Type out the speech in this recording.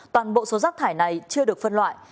toàn bộ số rác thải này chưa được phân loại